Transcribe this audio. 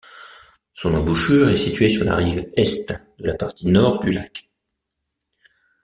Son embouchure est situé sur la rive est de la partie nord du lac.